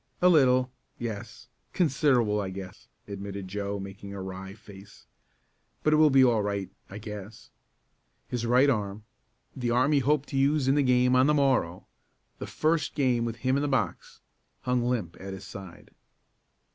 "A little yes; considerable I guess," admitted Joe, making a wry face. "But it will be all right I guess." His right arm the arm he hoped to use in the game on the morrow the first game with him in the box hung limp at his side.